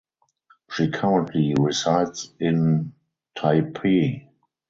She currently resides in Taipei.